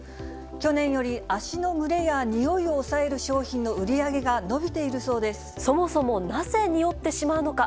去年より足の蒸れや臭いを抑える商品の売り上げが伸びているそうそもそもなぜ、臭ってしまうのか。